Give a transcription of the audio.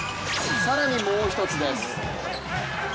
更にもう１つです。